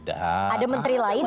ada menteri lain